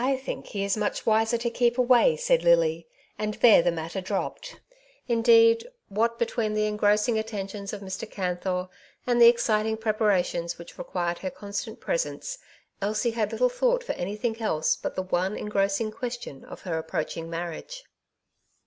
think he is much wiser to keep away," said Lily, and there the matter dropped. Indeed, what between the engrossing attentions of Mr. Canthor, and the exciting preparations which required her constant presence, Elsie had little thought for any thing else but the one engrossing question of her approaching marriage.